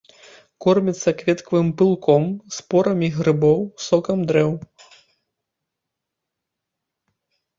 Кормяцца кветкавым пылком, спорамі грыбоў, сокам дрэў.